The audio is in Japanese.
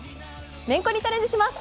めんこにチャレンジします。